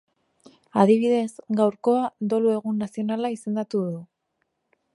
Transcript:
Adibidez, gaurkoa dolu egun nazionala izendatu du.